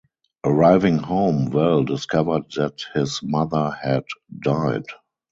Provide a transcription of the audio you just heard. Arriving home, Val discovered that his mother had died.